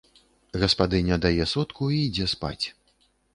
Гаспадыня дае сотку і ідзе спаць.